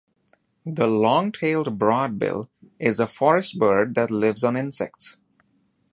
The long-tailed broadbill is a forest bird that lives on insects.